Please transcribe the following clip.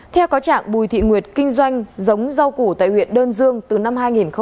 theo có trạng bùi thị nguyệt kinh doanh giống rau củ tại huyện đơn dương từ năm hai nghìn một mươi